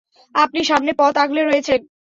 আপনি সামনে পথ আগলে রয়েছেন!